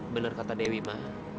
benar kata dewi ma